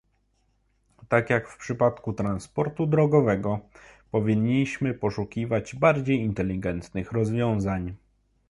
Tak jak w przypadku transportu drogowego, powinniśmy poszukiwać bardziej inteligentnych rozwiązań